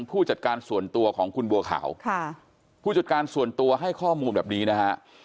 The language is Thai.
ผู้จัดการส่วนตัวของคุณบัวขาวค่ะผู้จัดการส่วนตัวให้ข้อมูลแบบนี้นะฮะ